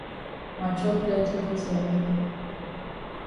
Ma chop plenti pass ya own.